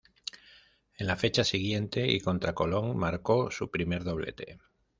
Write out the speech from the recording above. En la fecha siguiente y contra Colón, marcó su primer doblete.